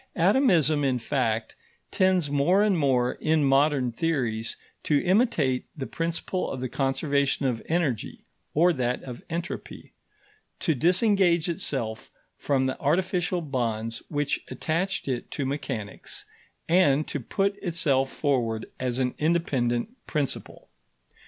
Atomism, in fact, tends more and more, in modern theories, to imitate the principle of the conservation of energy or that of entropy, to disengage itself from the artificial bonds which attached it to mechanics, and to put itself forward as an independent principle.